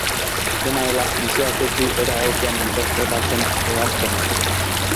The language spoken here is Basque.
Dena dela, mezuak ez du era egokian interpretatzen ebazpen hori.